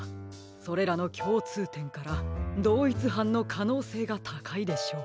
それらのきょうつうてんからどういつはんのかのうせいがたかいでしょう。